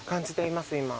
今。